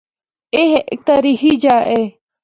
اے ہک تاریخی جا اے۔